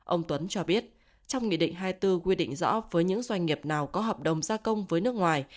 ông tuấn cho biết trong nghị định hai mươi bốn quy định rõ với những doanh nghiệp nào có hợp đồng gia công với nước ngoài